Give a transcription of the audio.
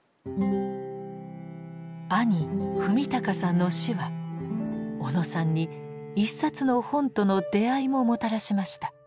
兄史敬さんの死は小野さんに一冊の本との出会いももたらしました。